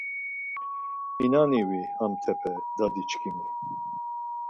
İnani vi hamtepe, dadiçkimi